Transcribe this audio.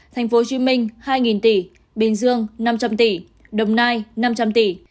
tp hcm hai tỷ bình dương năm trăm linh tỷ đồng nai năm trăm linh tỷ